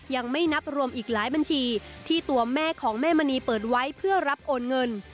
ยังไม่นับรวมอีกหลายบัญชีที่ตัวแม่ของแม่มณีเปิดไว้เพื่อรับโอนเงิน